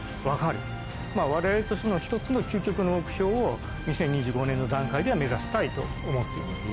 われわれとしての１つの。を２０２５年の段階では目指したいと思っています。